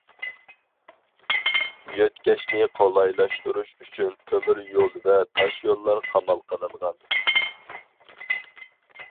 يۆتكەشنى قولايلاشتۇرۇش ئۈچۈن تۆمۈر يول ۋە تاشيوللار قامال قىلىنغان.